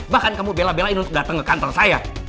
bahkan kamu bela belain untuk datang ke kantor saya